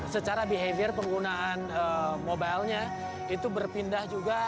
secara behavior penggunaan mobilenya itu berpindah juga